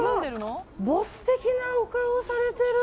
ボス的なお顔をされてる！